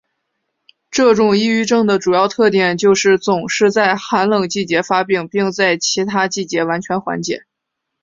这种抑郁症的主要特点就是总是在寒冷季节发病并在其他季节完全缓解。